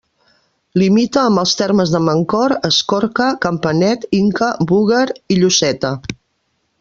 Limita amb els termes de Mancor, Escorca, Campanet, Inca, Búger i Lloseta.